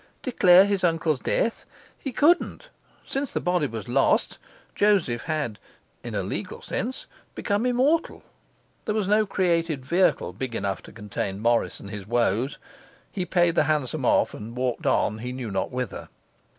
Declare his uncle's death? He couldn't! Since the body was lost Joseph had (in a legal sense) become immortal. There was no created vehicle big enough to contain Morris and his woes. He paid the hansom off and walked on he knew not whither.